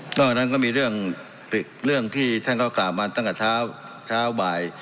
นอกจากนั้นก็มีเรื่องที่ท่านเขากลับมาตั้งแต่เช้าบ่าย